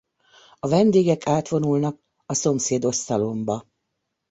A vendégek átvonulnak a szomszédos szalonba.